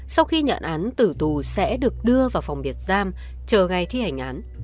sau khi nhận án tử tù sẽ được đưa vào phòng biệt giam chờ ngày thi hành án